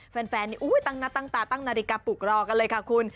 แฟนตั้งตาตั้งนาฬิกาปลูกรอกันเลยค่ะคุณ